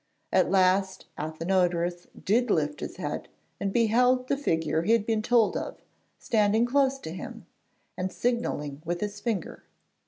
At last Athenodorus did lift his head and beheld the figure he had been told of standing close to him, and signalling with his finger.